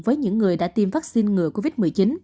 với những người đã tiêm vaccine ngừa covid một mươi chín